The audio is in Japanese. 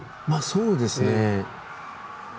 そうですね。